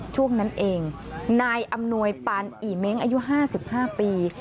ช่วงนั้นเองนายอำนวยปานอีเม้งอายุ๕๕ปี